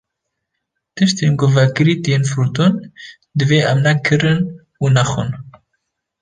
Tiştên ku vekirî tên firotin divê em nekirin û nexwin.